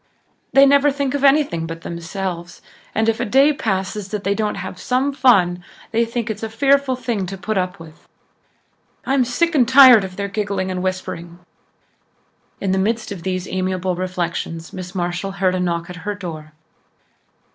"They never think of anything but themselves and if a day passes that they don't have 'some fun' they think it's a fearful thing to put up with. I'm sick and tired of their giggling and whispering." In the midst of these amiable reflections Miss Marshall heard a knock at her door.